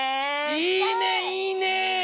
いいねいいね。